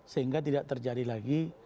sehingga tidak terjadi lagi